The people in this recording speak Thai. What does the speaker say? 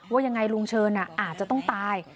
ว่ายังไงลุงเชิญอาจจะต้องตาย